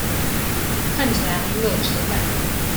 看起來很有質感